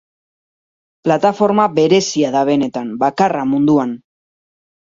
Plataforma berezia da benetan, bakarra munduan.